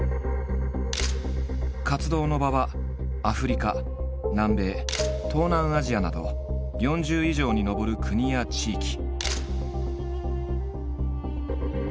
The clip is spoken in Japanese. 活動の場はアフリカ南米東南アジアなど４０以上に上る国や地域。